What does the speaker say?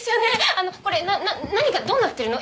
あのこれなな何がどうなってるの？